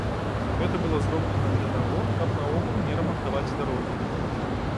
Гэта было зроблена для таго, каб наогул не рамантаваць дарогі.